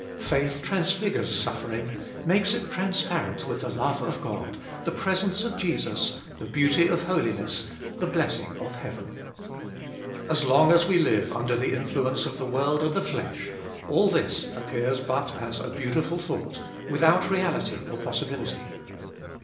Faith transfigures suffering, makes it transparent with the love of God, the presence of Jesus, the beauty of holiness, the blessing of heaven. As long as we live under the influence of the world and the flesh, all this appears but as a beautiful thought, without reality or possibility.